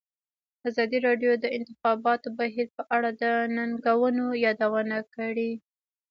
ازادي راډیو د د انتخاباتو بهیر په اړه د ننګونو یادونه کړې.